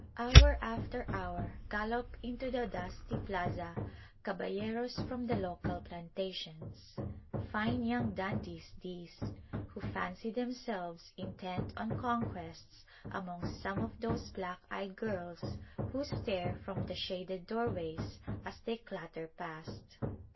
Hour after hour gallop into the dusty plaza caballeros from the local plantations fine young dandies these! who fancy themselves, intent on conquests among some of those black eyed girls who stare from the shaded doorways as they clatter past.